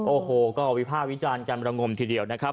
โอ้โหก็วิภาควิจารณ์กันระงมทีเดียวนะครับ